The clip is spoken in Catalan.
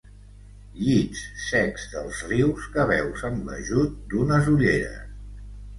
Llits secs dels rius que veus amb l'ajut d'unes ulleres.